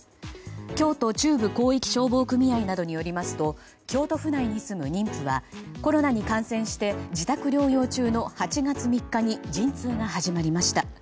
京都中部広域消防組合などによりますと京都府内に住む妊婦はコロナに感染して自宅療養中の８月３日に陣痛が始まりました。